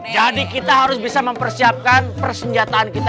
jadi kita harus bisa mempersiapkan persenjataan kita